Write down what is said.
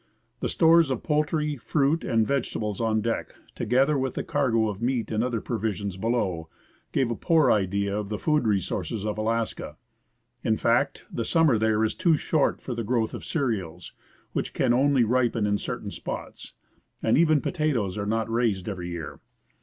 The stores of poultry, fruit, and vegetables on deck, together with the cargo of meat and other provisions below, gave a poor i9 THE ASCENT OF MOUNT ST. ELIAS idea of the food resources of Alaska. In fact, the summer there is too short for the growth of cereals, which can only ripen in certain spots, and even potatoes are not raised every year.